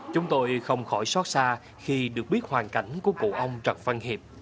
chúng tôi không khỏi xót xa khi được biết hoàn cảnh của cụ ông trần văn hiệp